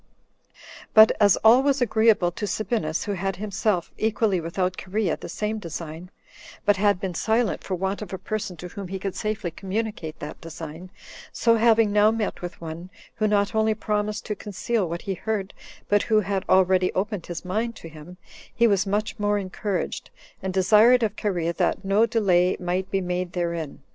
8. But as all was agreeable to Sabinus, who had himself, equally without Cherea, the same design, but had been silent for want of a person to whom he could safely communicate that design; so having now met with one, who not only promised to conceal what he heard, but who had already opened his mind to him, he was much more encouraged, and desired of Cherea that no delay might be made therein.